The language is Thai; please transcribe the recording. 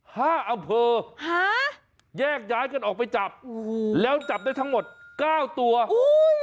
ห้าอำเภอแยกย้ายกันออกไปจับแล้วจับได้ทั้งหมด๙ตัวห้า